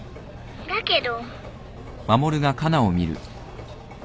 ☎だけど。